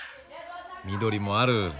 緑もある。